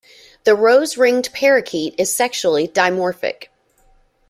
The rose-ringed parakeet is sexually dimorphic.